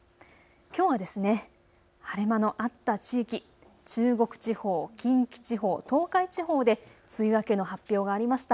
きょうは晴れ間のあった地域中国地方、近畿地方、東海地方で梅雨明けの発表がありました。